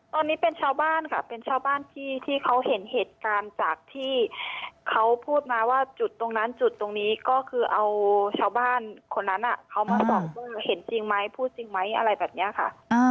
ตอนนี้เป็นชาวบ้านค่ะเป็นชาวบ้านที่ที่เขาเห็นเหตุการณ์จากที่เขาพูดมาว่าจุดตรงนั้นจุดตรงนี้ก็คือเอาชาวบ้านคนนั้นเขามาบอกว่าเห็นจริงไหมพูดจริงไหมอะไรแบบนี้ค่ะ